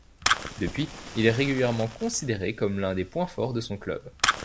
Depuis, il est régulièrement considéré comme l'un des points forts de son club.